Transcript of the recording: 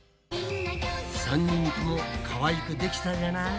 ３人ともかわいくできたじゃない。